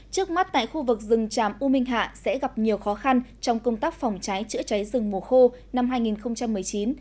trước mắt tại khu vực rừng tràm u minh hạ sẽ gặp nhiều khó khăn trong công tác phòng trái chữa trái rừng mùa khô năm hai nghìn một mươi chín hai nghìn hai mươi